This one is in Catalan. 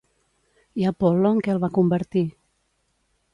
I Apol·lo en què el va convertir?